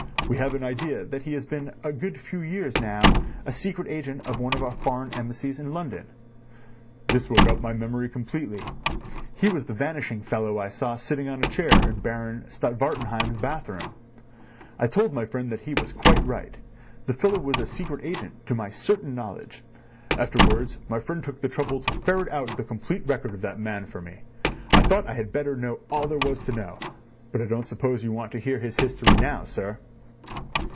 We have an idea that he has been for a good few years now a secret agent of one of the foreign Embassies in London.' This woke up my memory completely. He was the vanishing fellow I saw sitting on a chair in Baron Stott Wartenheim's bathroom. I told my friend that he was quite right. The fellow was a secret agent to my certain knowledge. Afterwards my friend took the trouble to ferret out the complete record of that man for me. I thought I had better know all there was to know; but I don't suppose you want to hear his history now, sir?"